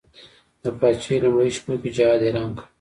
د پاچهي لومړیو شپو کې جهاد اعلان کړ.